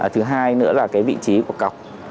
thứ hai nữa là cái vị trí của cọc